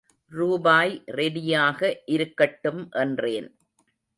ரூபாய் ரெடியாக இருக்கட்டும் என்றேன்.